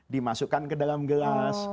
dimasukkan ke dalam gelas